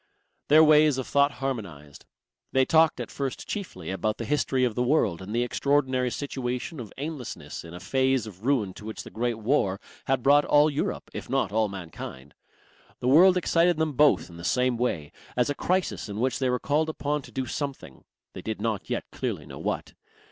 Their ways of thought harmonized. They talked at first chiefly about the history of the world and the extraordinary situation of aimlessness in a phase of ruin to which the Great War had brought all Europe, if not all mankind. The world excited them both in the same way; as a crisis in which they were called upon to do something they did not yet clearly know what.